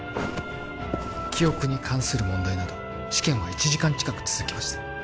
記憶に関する問題など試験は１時間近く続きました